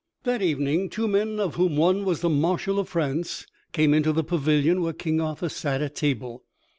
That evening two men, of whom one was the Marshal of France, came into the pavilion where King Arthur sat at table.